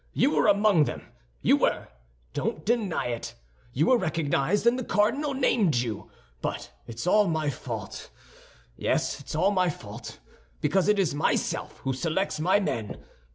You were among them—you were! Don't deny it; you were recognized, and the cardinal named you. But it's all my fault; yes, it's all my fault, because it is myself who selects my men.